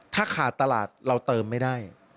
ถ้าขาดตลาดเราเติมไม่ได้